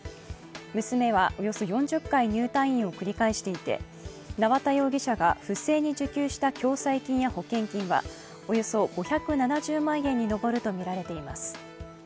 娘はおよそ４０回入退院を繰り返していて縄田容疑者が不正に受給した共済金や保険金はおよそ５７０万円に上るとみられています。